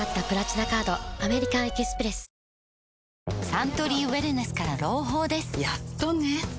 サントリーウエルネスから朗報ですやっとね